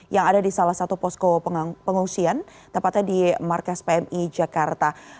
yang ada di salah satu posko pengungsian tepatnya di markas pmi jakarta